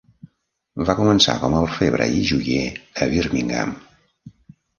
Va començar com a orfebre i joier a Birmingham.